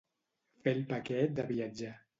Fer el paquet de viatjar.